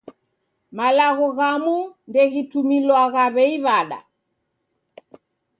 Malagho ghamu ndeghitumilwagha w'ei w'ada.